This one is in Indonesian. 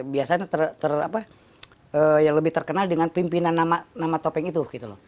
biasanya yang lebih terkenal dengan pimpinan nama topeng itu